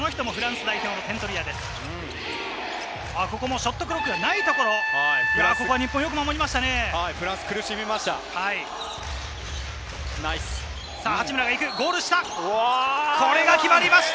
ショットクロックがないところ、日本はよく守りました。